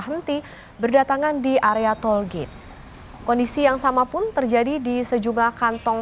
henti berdatangan di area tol gate kondisi yang sama pun terjadi di sejumlah kantong